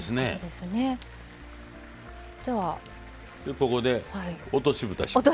ここで落としぶたします。